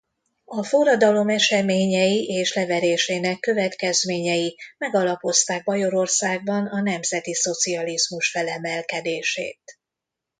A forradalom eseményei és leverésének következményei megalapozták Bajorországban a nemzetiszocializmus felemelkedését.